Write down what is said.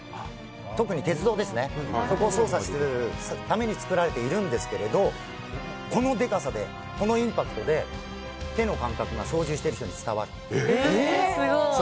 特に鉄道で操作するために作られたんですがこのでかさで、このインパクトで手の感覚が操縦している人に伝わる。